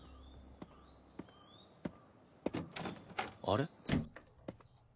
あれ？